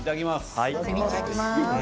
いただきます。